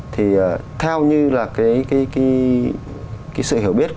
thì theo như là cái sự hiểu biết